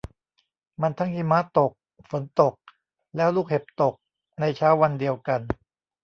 มันทั้งหิมะตกฝนตกแล้วลูกเห็บตกในเช้าวันเดียวกัน